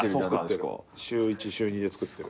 週１週２で作ってる。